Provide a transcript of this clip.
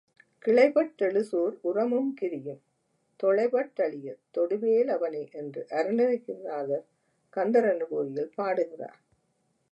கிளைபட் டெழுசூர் உரமும் கிரியும் தொளைபட் டழியத் தொடுவே லவனே என்று அருணகிரிநாதர் கந்தரநுபூதியில் பாடுகிறார்.